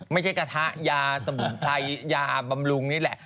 กระทะยาสมุนไพรยาบำรุงนี่แหละ